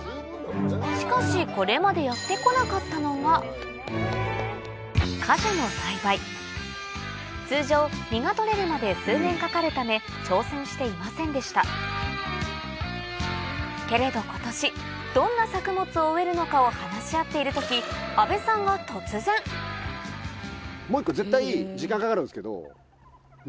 しかしこれまでやってこなかったのが果樹の栽培通常実が採れるまで数年かかるため挑戦していませんでしたけれど今年どんな作物を植えるのかを話し合っている時もう一個絶対時間かかるんですけど。